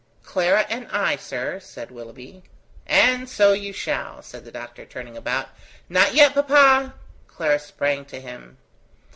"Clara and I, sir," said Willoughby. "And so you shall," said the Doctor, turning about. "Not yet, papa:" Clara sprang to him.